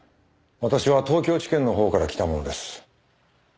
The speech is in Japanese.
私は東京地検のほうから来た者です。